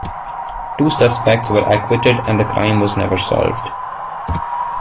Two suspects were acquitted, and the crime was never solved.